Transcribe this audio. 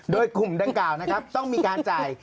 โดยกลุ่มดังกล่าวนะครับต้องมีการจ่าย